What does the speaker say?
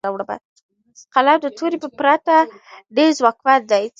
قلم د تورې په پرتله ډېر ځواکمن دی.